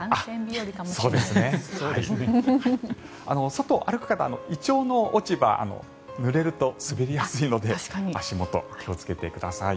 外を歩く方はイチョウの落ち葉ぬれると滑りやすいので足元、気をつけてください。